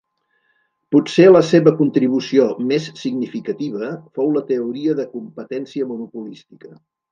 Potser la seva contribució més significativa fou la teoria de competència monopolística.